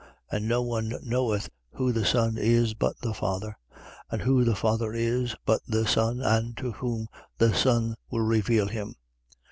And no one knoweth who the Son is, but the Father: and who the Father is, but the Son and to whom the Son will reveal him.